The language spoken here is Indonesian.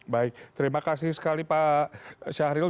baik terima kasih sekali pak syahril